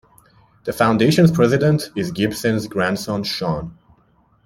The Foundation's president is Gibson's grandson Sean.